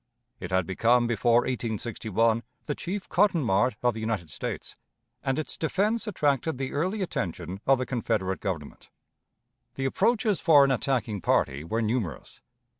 It had become before 1861 the chief cotton mart of the United States, and its defense attracted the early attention of the Confederate Government. The approaches for an attacking party were numerous.